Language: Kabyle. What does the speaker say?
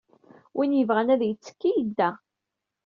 Win yebɣan ad yettekki yedda.